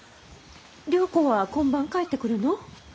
良子は今晩帰ってくるの？